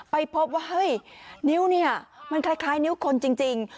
ไปพบว่าเฮ้ยนิ้วเนี่ยมันคล้ายนิ้วคนจริง